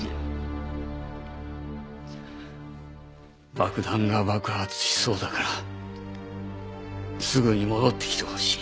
爆弾が爆発しそうだからすぐに戻ってきてほしい。